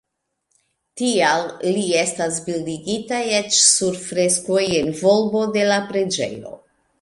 Tial li estas bildigita eĉ sur freskoj en volbo de la preĝejo.